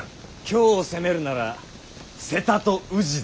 京を攻めるなら勢多と宇治だ。